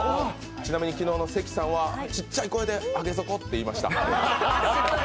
ちなみに昨日の関さんはちっちゃい声で「上げ底」って言いました。